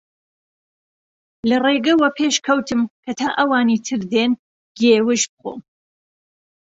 لە ڕێگە وەپێش کەوتم کە تا ئەوانی تر دێن گێوژ بخۆم